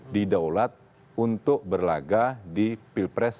didaulat untuk berlaga di pilpres dua ribu sembilan belas